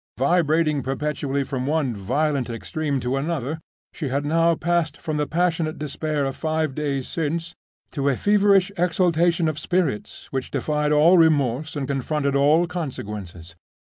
Vibrating perpetually from one violent extreme to another, she had now passed from the passionate despair of five days since to a feverish exaltation of spirits which defied all remorse and confronted all consequences.